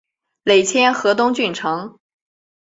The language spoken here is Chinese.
累迁河东郡丞。